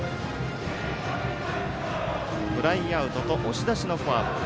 フライアウトと押し出しのフォアボール